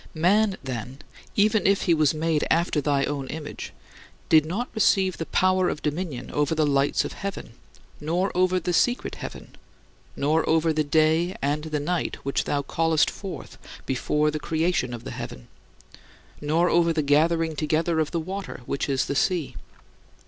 34. Man, then, even if he was made after thy own image, did not receive the power of dominion over the lights of heaven, nor over the secret heaven, nor over the day and the night which thou calledst forth before the creation of the heaven, nor over the gathering together of the waters which is the sea.